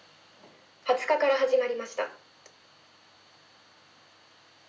２０日から始まりました。